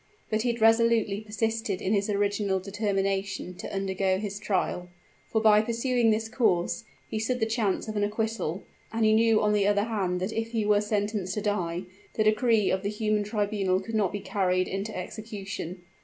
But he had resolutely persisted in his original determination to undergo his trial: for by pursuing this course, he stood the chance of an acquittal; and he knew on the other hand that if he were sentenced to die, the decree of the human tribunal could not be carried into execution.